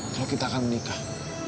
kalau kita akan menikah